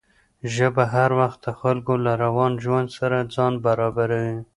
ژبه هر وخت د خلکو له روان ژوند سره ځان برابروي.